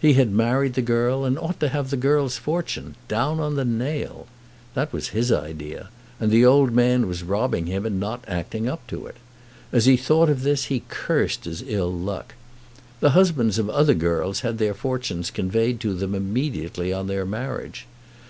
He had married the girl, and ought to have the girl's fortune, down on the nail! That was his idea; and the old man was robbing him in not acting up to it. As he thought of this he cursed his ill luck. The husbands of other girls had their fortunes conveyed to them immediately on their marriage.